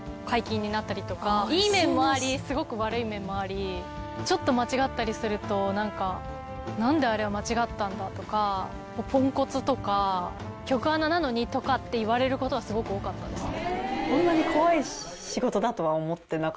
気持ちがちょっと間違ったりすると何か何であれは間違ったんだ？とかポンコツとか局アナなのにとかって言われることはすごく多かったですね